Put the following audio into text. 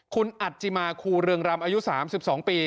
คุณอัจจิมาครูเรืองรำอายุ๓๒ปี